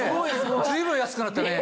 随分安くなったね。